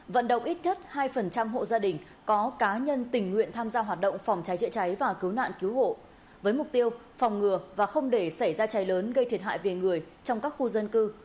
vận động ít nhất hai hộ gia đình có cá nhân tình nguyện tham gia hoạt động phòng cháy chữa cháy và cứu nạn cứu hộ với mục tiêu phòng ngừa và không để xảy ra cháy lớn gây thiệt hại về người trong các khu dân cư